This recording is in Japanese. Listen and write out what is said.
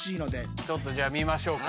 ちょっとじゃあ見ましょうか。